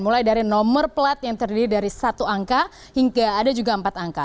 mulai dari nomor plat yang terdiri dari satu angka hingga ada juga empat angka